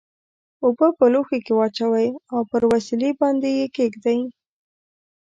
اوبه په لوښي کې واچوئ او پر وسیلې باندې یې کیږدئ.